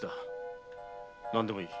何でもいい。